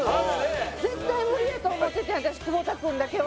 絶対無理やと思ってたんや私久保田君だけは。